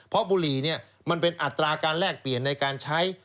เพราะบุหรี่มันเป็นอัตราการแลกเปลี่ยนในการใช้